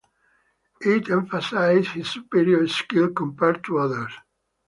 It emphasizes his superior skill compared to others.